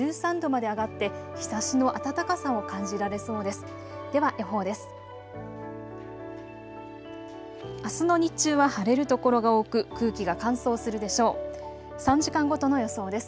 では予報です。